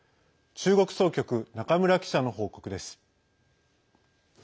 中国総局、中村記者の報告です。